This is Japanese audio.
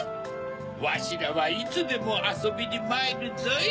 わしらはいつでもあそびにまいるぞい！